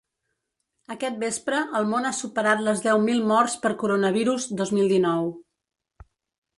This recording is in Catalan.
Aquest vespre el món ha superat les deu mil morts per coronavirus dos mil dinou.